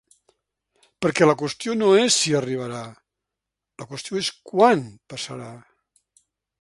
Perquè la qüestió no és si arribarà, la qüestió és quan passarà.